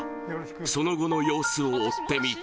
その後の様子を追ってみた